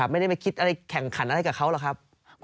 ไม่ได้คิดแข่งขั้นอะไรกับเค้าหรอกครับ